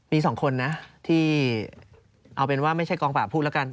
มีสองคนนะที่เอาเป็นว่าไม่ใช่กองปราบพูดแล้วกัน